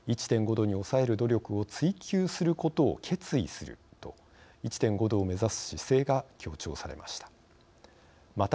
℃に抑える努力を追求することを決意すると１．５℃を目指す姿勢が強調されました。